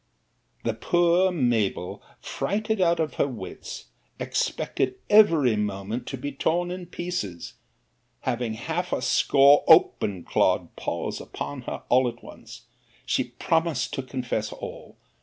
'The poor Mabell, frighted out of her wits, expected every moment to be torn in pieces, having half a score open clawed paws upon her all at once. She promised to confess all.